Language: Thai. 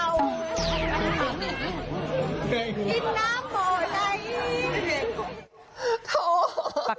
แม่งูเห่า